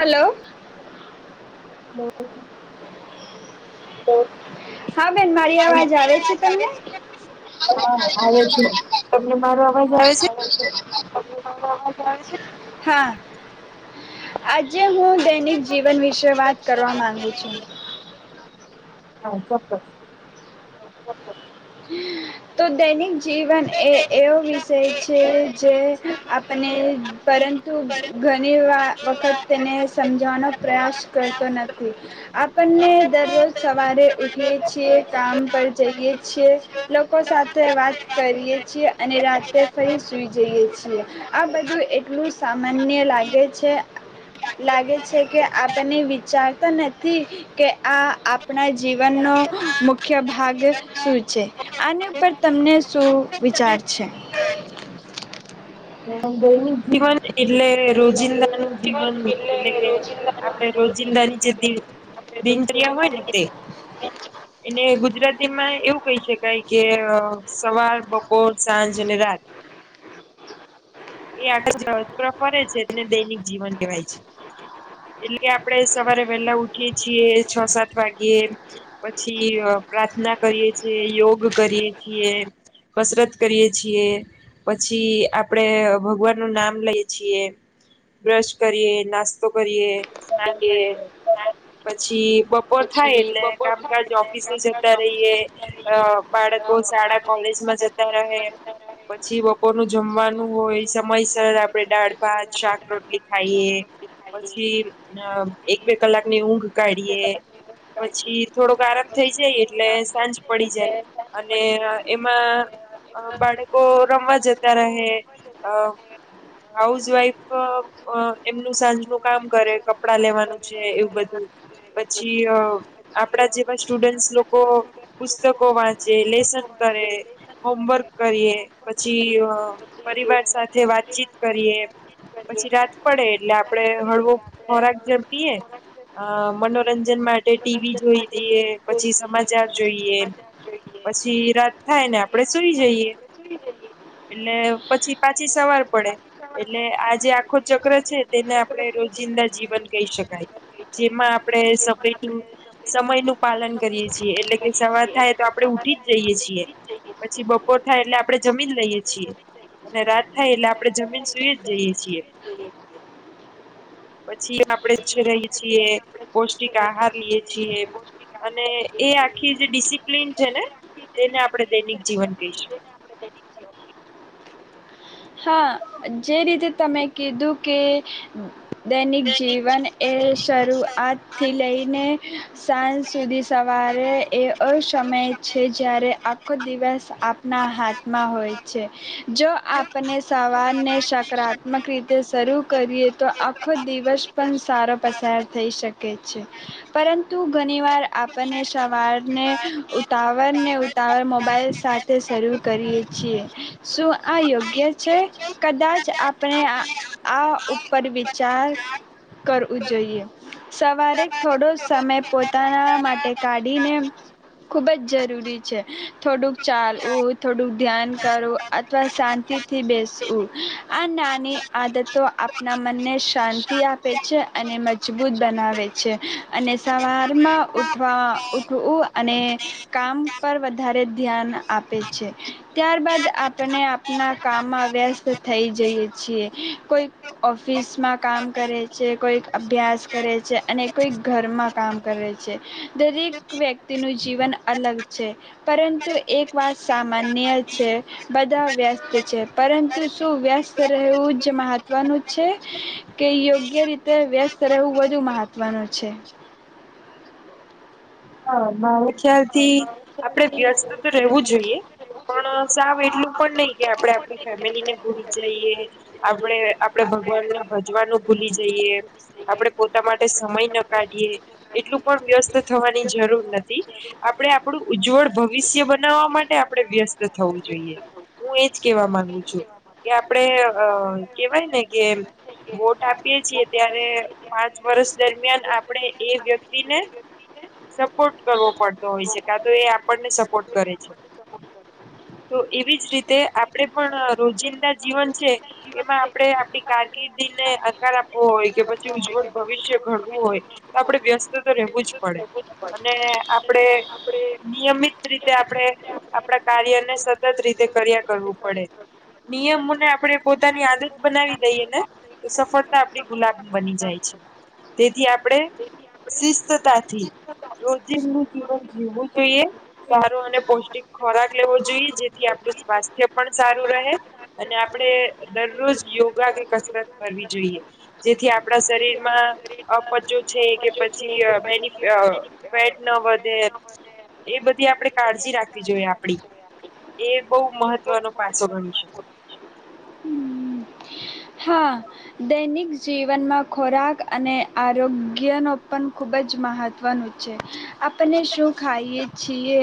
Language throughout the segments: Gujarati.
હલો. [inaudible] હા બેન મારી અવાજ આવે છે તમને. [inaudible] હા આજે હું દૈનિક જીવન વિશે વાત કરવા માંગુ છું. હા ચોક્કસ. તો દૈનિક જીવન એ એવો વિષય છે જે આપને પરંતુ ઘણી વા વખત તેને સમજવાનો પ્રયાસ કરતો નથી. આપણને દરરોજ સવારે ઉઠીએ છીએ કામ પર જઈએ છીએ લોકો સાથે વાત કરીએ છીએ અને રાત્રે ફરી સુઈ જઈએ છીએ આ બધું એટલું સામાન્ય લાગે છે લાગે છે કે આપણને વિચારતા નથી કે આ આપણા જીવનનો મુખ્ય ભાગ શું છે આની ઉપર તમને શું વિચાર છે. દૈનિક જીવન એટલું એટલે રોજિંદાનું જીવન એટલે કે આપણે રોજિંદાની જે દિ દિનચર્યા હોય ને તે એને ગુજરાતીમાં એવું કહી શકાય કે અ સવાર બપોર સાંજ અને રાત એ આગળ જ ફરે છે એને દૈનિક જીવન કહેવાય છે, એટલે આપણે સવારે વહેલા ઉઠીએ છીએ છીએ સાત વાગ્યે પછી અ પ્રાર્થના કરીએ છીએ, યોગ કરીએ છીએ, કસરત કરીએ છીએ પછી આપણેે અ ભગવાનનું નામ લઈએ છીએ બ્રશ કરીએ, નાસ્તો કરીએ સ્નાન કરીએ પછી બપોર થાય એટલે કામકાજ ઓફિસે જતા રહીએ અ બાળકો શાળા કોલેજમાં જતા રહે પછી બપોરનું જમવાનું હોય સમયસર આપણે દાળ, ભાત, શાક, રોટલી ખાઈએ પછી અ એક બે કલાકની ઊંઘ કાઢીએ પછી થોડોક આરામ થઈ જાય એટલે સાંજ પડી જાય અને એમાં અ બાળકો રમવા જતા રહે હાઉસવાઈફ અ એમનું સાંજનું કામ કરે કપડા લેવાનું છે, એવું બધું પછી અ આપણા જેવા સ્ટુડન્ટસ લોકો પુસ્તકો વાંચે લેસન કરે હોમવર્ક કરીએ પછી અ પરિવાર વાતચીત કરીએ પછી રાત પડે એટલે આપડે હળવો ખોરાક ઝડપીએ અ મનોરંજન માટે ટીવી જોઈ દઈએ પછી સમાચાર જોઈએ, પછી રાત થાય ને આપડે સુઈ જઈએ એટલે પછી પાછી સવાર પડે એટલે આ જે આખો ચક્ર છે તેને આપણે રોજિંદા જીવન કહી શકાય, જેમાં આપણે સમયનું-સમયનું પાલન કરીએ છીએ એટલે કે સવાર થાય તો આપણે ઉઠી જ જઈએ છીએ પછી બપોર થાય એટલે આપણે જમી જ લઈએ છીએ. અને રાત થાય એટલે આપણે જમીન સુય જ જઈએ છીએ પછી આપણે [unintelligible] રહી છીએ પૌષ્ટિક આહાર લીએ છીએ અને એ આખી જે ડિસિપ્લિન છે ને તેને આપણે દૈનિક જીવન કહી શકીએ હા જે રીતે તમે કીધું કે દૈનિક જીવન એ શરૂઆતથી લઈને સા સુધી સવારે એ એવો સમય છે જ્યારે આખો દિવસ આપના હાથમાં હોય છે જો આપ આપને સવારને સકારાત્મક રીતે શરૂ કરીએ તો આખો દિવસ પણ સારો પસાર થઈ શકે છે પરંતુ ઘની વાર આપને સવારને ઉતાવરને ઉતાવર મોબાઈલ સાથે શરૂ કરીએ છીએ શું આ યોગ ગ્ય છે કદાચ આપણે આ-આ ઉપર વિચાર કરવું જોઈએ સવારે થોડો સમય પોતાના માટે કાઢીને ખૂબ જ જરૂરી છે થોડુંક ચાલવું, થોડુંક ધ્યાન કરવું અથવા શાંતિ થી બેસવું આ નાની આદતો આપણા મનને શાંતિ આપે છે અને મજબૂત બનાવે છે અને સવારમાં ઉઠવા-ઉઠવું અને કામ પર વધારે ધ્યાન આપે છે ત્યારબાદ આપને આપના કામમાં વ્યસ્ત થઈ જઈએ છીએ કોઈક ઓફિસમાં કામ કરે છે કોઈક અભ્યાસ કરે છે અને કોઈક ઘરમાં કામ કરે છે દરેક વ્યક્તિનું જીવન અલગ છે પરંતુ એક વાત સામાન્ય છે બધા વ્યસ્ત પરંતુ શું વ્યસ્ત રહેવું જ મહત્વનું છે કે યોગ્ય રીતે વ્યસ્ત રહેવું વધુ મહાત્વનું છે. હા મા ખ્યાલથી આપણે વ્યસ્ત તો રહેવું જોઈએ પણ સાવ એટલું પણ નહી કે આપણે આપણી ફેમિલી ને ભૂલી જઈએ આપણે-આપણે ભગવાનને ભજવાનું ભૂલી જઈએ આપણે પોતા માટે સમય ન કાઢીએ એટલું પણ વ્યસ્ત થવાનું જરૂર નથી આપણે આપણું ઉજ્જવળ ભવિષ્ય બનાવવા માટે આપણે વ્યસ્ત થવું જોઈએ, હું એજ કેવા માંગુ છું કે આપણે અ કેવાય ને કે વોટ આપીએ છીએ ત્યારે પાંચ વર્ષ દરમિયાન આપણે એ વ્યક્તિને સપોર્ટ કરવો પડતો હોય છે કા તો એ આપણને સપોર્ટ કરે છે. તો એવી જ રીતે આપણેે પણ રોજિંદા જીવન છે એમાં આપણે આપડી કારકિર્દીને આકાર આપવો હોય કે પછી ઉજ્જવળ ભવિષ્ય ઘડવું હોય તો આપડે વ્યસ્ત તો-તો રહેવું જ પડે અને આપણે નિયમિત રીતે આપણે આપણા કાર્ય સ રીતે કર્યા કરવું પડે નિયમોને આપણે પોતાની આદત બનાવી દઈએ ને તો સફળતા આપણી ગુલાબ બની જાય છે તેથી આપણે શિસ્તતાથી રોજનું જીવન જીવવું જોઈએ સારો અને પૌષ્ટિક ખોરાક લેવો જોઈએ જેથી આપણું સ્વાસ્થ્ય પણ સારું રહે અને આપણે દરરોજ યોગા કે કસરત કરવી જોઈએ જેથી આપણા શરીરમાં અપચો છે કે અ પછી બેનિ અ ફેટ ન વધે એ બધી આપણે કાળજી રાખવી જોઈએ આપળી. એ બહુ મહત્વનો પાસો ગણી શકાય. હા દૈનિક જીવનમાં ખોરાક અને આરોગ્યનો પણ ખૂબ જ મહત્વનું છે આપને શું ખાઈએ છીએ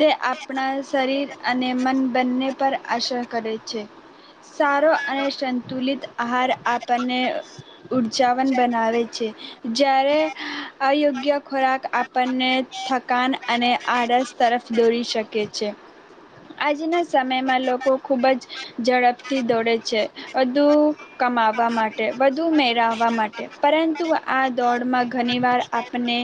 તે આપણા શરીર અને મન બંને પર આસર કરે છે સારો અને સંતુલિત આહાર આપ તને અ ઉર્જાાવન બનાવે છે જ્યારે અયોગ્ય ખોરાક આપણને થકાન અને આળસ તરફ દોરી શકે છે આજના સમયમાં લોકો ખૂબ જ ઝડપથી દોડે છે વધુ કમાવ વા માટે વધુ મેરાવવા માટે. પરંતુ આ દોડમાં ઘણી વાર આપણે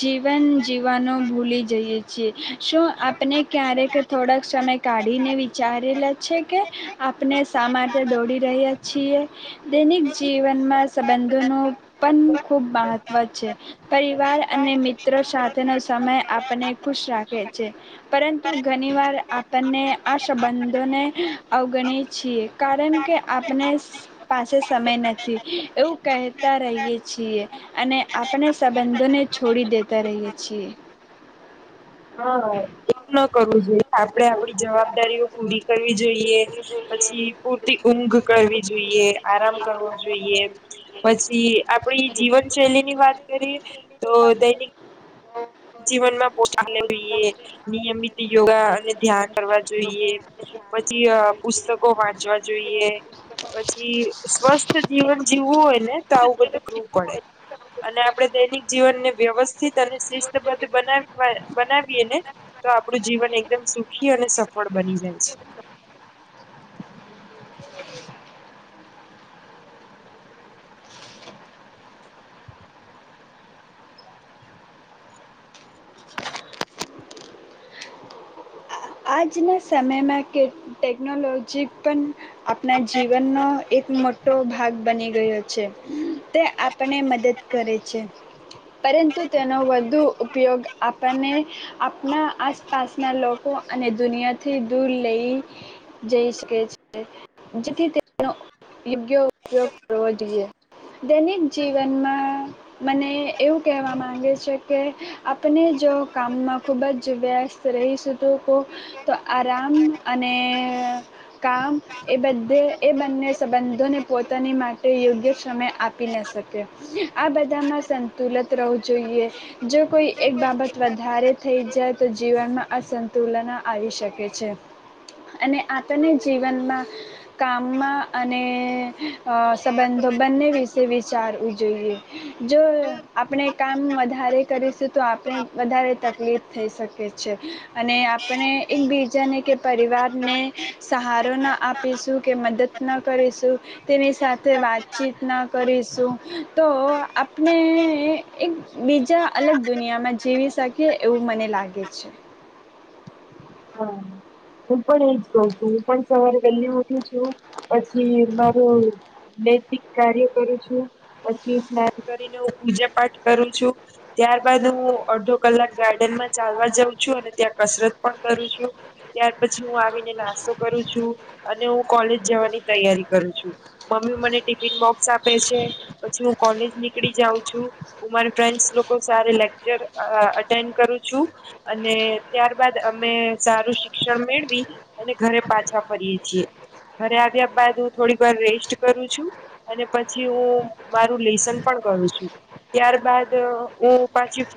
જીવન જી જીવવાનું ભૂલી જઈએ છીએ શું આપણે ક્યારેક થોડાક સમય કાઢીને વિચારેલા છે કે આપણે શા માટે દોડી રહ્યા છીએ? દૈનિક જીવનમાં સંબંધોનું પણ ખૂબ મહત્ત્વ છે પરિવાર અને મિત્રો સાથેનો સમય આપણને ખુશ રાખે છે પરંતુ ઘની વાર આપણને આ સંબંધોને અવગણીએ છીએ કારણ કે આપને પાસે સમય નથી એવું કહેતા રહીએ છીએ અને આપણે સંબંધોને છોડી દેતા રહીએ છીએ. હા એવું ના કરવું જોઈએ આપડે આપડી જવાબદારીઓ પૂરી કરવી જોઈએ પછી પૂરતી ઊંઘ કરવી જોઈએ. આરામ કરવો જોઈએ પછી આપડી જીવનશૈલીની વાત કરીએ તો દૈનિક જીવનમાં [unintelligible] નિયમિત યોગા અને ધ્યાન કરવા જોઈએ પછી પુસ્તકો વાંચવા જોઈએ પછી સ્વસ્થ જીવન જીવવું હોય ને તો આવું બધું કરવું પડે અને આપડે દૈનિક જીવનને વ્યવસ્થિત અને શિ બધુ બનાવ બનાવીએને તો આપડું જીવન એકદમ સુખી અને સફળ બની જાય છે. આજના સમયમાં કે ટેકનોલોજી પન આપના જીવનનો એક મોટ મોટો ભાગ બની ગયો છે તે આપણને મદદ કરે છે પરંતુ તેનો વધુ ઉપયોગ આપણને આપણા આસપાસના લોકો અને દુનિયાથી દૂર લઈ જઈ શકે છે, જેથી તેનો યોગ્ય ઉપયોગ કરવો જોઈએ દૈનિક જીવનમાં મને એવું કહેવા માંગે છે કે આપણે જો કામમાં ખૂબ જ વ્યસ્ત રહીશું તો આરામ અને કામ એ બધે એ બંને સંબંધોને પોતાની માટે યોગ્ય સમય આપી ન શકે આ બધામાં સંતુલિત રહેવું જોઈએ જો કોઈ એક બાબત વધારે થઈ જાય તો જીવનમાં અસંતુ તુલના આવી શકે છે અને આપણને જીવનમાં કામમાં અને સંબંધો બંને વિશે વિચારવું જોઈએ, જો આપણે કામ વધારે કરીશું તો આપણે વધારે તકલીફ થઈ શકે છે. અને આપણે એકબીજાને કે પરિવારને સહારો ના આપીશું, કે મદદ ન કરીશું તેની સાથે વાતચીત ના કરીશું, તો આપણે એક બીજા અલગ દુનિયામાં જીવી શકીએ, એવું મને લાગે છે. હા હું પણ એજ કહું છું, હું પણ સવારે વહેલી ઉઠું છું, પછી મારું નૈતિક કાર્ય કરું છું, પછી સ્નાન કરીને હું પૂજા પાઠ કરું છું, ત્યારબદ હું અડધો કલાક ગાર્ડનમાં ચાલવા જાઉં છું અને ત્યાં કસરત પણ કરું છું. ત્યાર પછી હું આવીને નાસ્તો કરું છું, અને હું કોલેજ જવાની તૈયારી કરું છું, મમ્મી મને ટિફિન બોક્સ આપે છે, પછી હું કોલેજ નીકળી જાઉં છું, હું મારા ફ્રેન્ડ્સ લોકો સારે લેક્ચર અટેન્ડ કરું છું, અને ત્યારબાદ અમે સારું શિક્ષણ મેળવી, અને ઘરે પાછા ફરીયે છીએ, ઘરે આવ્યા બાદ હું થોડીક વાર રેસ્ટ કરું છું, અને પછી હું મારું લેસન પણ કરું છું, ત્યારબદ હું પાછી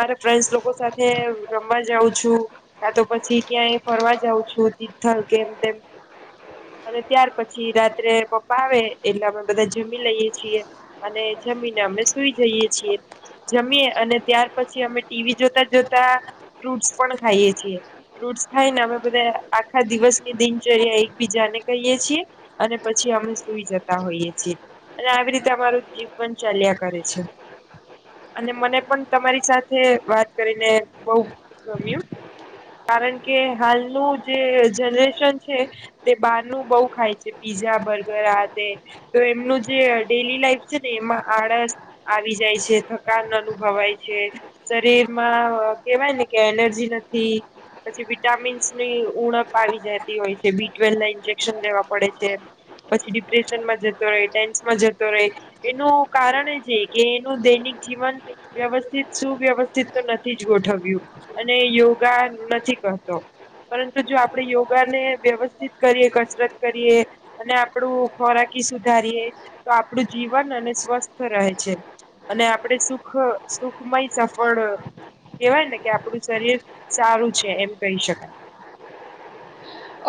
મારા ફ્રેન્ડ્સ લોકો સાથે રમવા જાઉં છું, કાં તો પછી ક્યાંય ફરવા જઉં છું. તિથલ કે એમ તેમ અને ત્યાર પછી રાત્રે પપ્પા આવે એટલે અમે બધા જમી લઈએ છીએ, અને જમીને અમે સુઈ જઈએ છીએ, જમીએ અને ત્યાર પછી અમે ટીવી જોતા, જોતા ફ્રૂટસ પણ ખાઈએ છીએ. ફૂટ ખાઈને અમે બધા આખા દિવસની દિનચર્યા એકબીજાને કહીએ છીએ, અને પછી અમે સુઈ જતા હોઈએ છીએ, અને આવી રીતે અમારું જીવન ચાલ્યા કરે છે, અને મને પણ તમારી સાથે વાત કરીને બહુ ગમ્યું. કારણ કે હાલનું જે જનરેશન છે, તે બહારનું બહુ ખાય છે, પીઝા, બર્ગર આ તે, તો એમનું જે ડેલી લાઈફ છે ને એમાં આળસ આવી જાય છે, થકાન અનુભવાય છે શરીરમાં કેવાય ને કે એનર્જી નથી પછી વિટામિન્સની ઉણપ આવી જતી હોય છે, બી ટ્વેલના ઇન્જેક્શન લેવા પડે છે, પછી ડિપ્રેશનમાં જતો રહે ટેન્સમાં જતો રહે, એનું કારણ જ એ છે કે એનું દૈનિક જીવન વ્યવસ્થિત સુવ્યવસ્થિત તો નથી જ ગોઠવ્યું, અને યોગા નથી કરતો પરંતુ જો આપણે યોગાને વ્યવસ્થિત કરીએ, કસરત કરીએ, અને આપણું થોડું ખોરાકી સુધારીએ, તો આપણું જીવન અને સ્વસ્થ રહે છે, અને આપણે સુખ સુખમય સફળ કેહવાય ને કે આપણું શરીર સારું છે એમ કહી શકાય.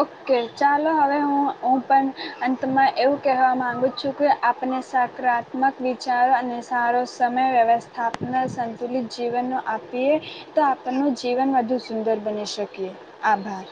ઓકે, ચાલો હવે હું, હું પણ અંતમાં એવું કહેવા માગું છું, કે આપને સકારાત્મક વિચારો અને સારો સમય વ્યવસ્થાપન સંતુલિત જીવનનો આપીએ તો આપણનું જીવન વધુ સુંદર બની શકીએ, આભાર.